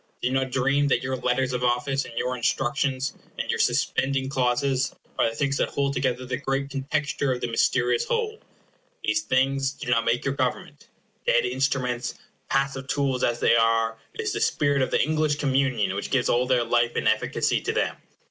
Do not dream that your letters of office, and your instructions, and your suspending clauses, are the things that hold together the great contexture of the mysterious whole. These things do not make your government. Dead instruments, passive tools as they are, it is the spirit of the English communion that gives all their life and efficacy to them.